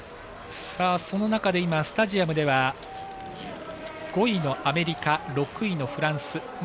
その中でスタジアムでは５位のアメリカ、６位のフランス。